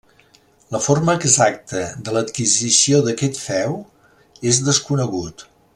La forma exacta de l'adquisició d'aquest feu és desconegut.